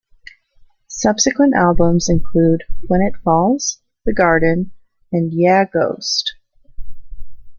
Subsequent albums include "When It Falls", "The Garden", and "Yeah Ghost".